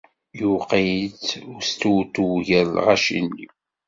Yuqeε-itt ustewtew gar lɣaci-nni.